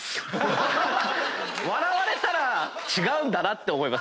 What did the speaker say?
笑われたら違うんだなって。